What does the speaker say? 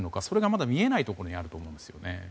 それがまだ見えないところにあると思いますよね。